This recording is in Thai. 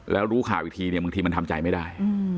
แล้วรู้ข่าวอีกทีเนี่ยบางทีมันทำใจไม่ได้